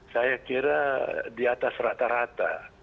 saya kira di atas rata rata